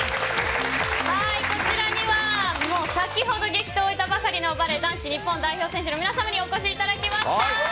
こちらには先ほど、激闘を終えたばかりのバレー男子日本代表選手の皆さまにお越しいただきました。